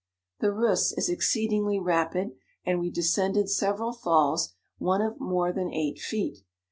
57 The Reuss is exceedingly rapid, and we descended several falls, one of more than eight feet.